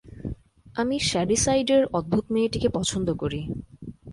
আমি শ্যাডিসাইডের অদ্ভুত মেয়েটিকে পছন্দ করি।